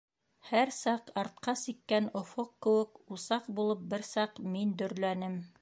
Һәр саҡ артҡа сиккән офоҡ кеүек, Усаҡ булып бер саҡ мин дөрләнем.